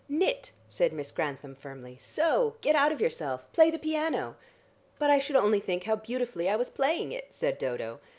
"Knit!" said Miss Grantham firmly. "Sew! Get out of yourself! Play the piano!" "But I should only think how beautifully I was playing it," said Dodo.